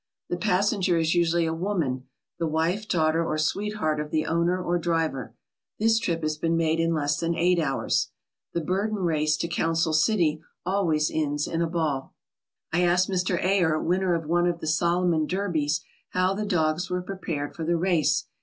The passenger is usually a woman, the wife, daughter, or sweetheart of the owner or driver. This trip has been made in less than eight hours. The Burden Race to Council City always ends in a ball. I asked Mr. Ayer, winner of one of the Solomon Derbies, how the dogs were prepared for the race.